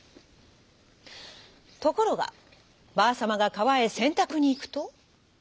ところがばあさまがかわへせんたくにいくと。